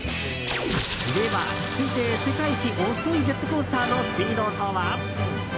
では、推定世界一遅いジェットコースターのスピードとは。